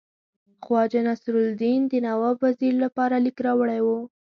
خواجه نصیرالدین د نواب وزیر لپاره لیک راوړی وو.